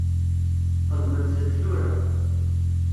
Xedmemt-t tura.